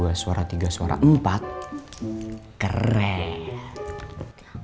dua suara tiga suara empat keren